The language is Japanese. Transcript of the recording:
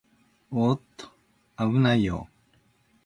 おーっと、あぶないよー